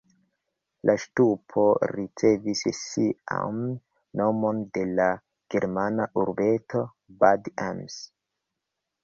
La ŝtupo ricevis sian nomon de la germana urbeto Bad Ems.